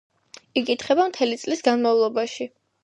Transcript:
იკითხება მთელი წლის განმავლობაში.